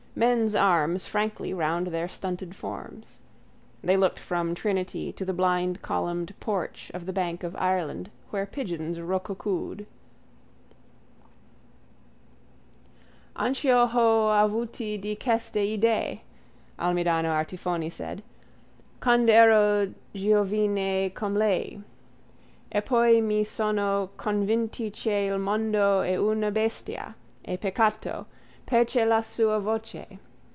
Men's arms frankly round their stunted forms. They looked from Trinity to the blind columned porch of the bank of Ireland where pigeons roocoocooed. —Anch'io ho avuto di queste idee, Almidano Artifoni said, _quand' ero giovine come Lei. Eppoi mi sono convinto che il mondo è una bestia. È peccato. Perchè la sua voce...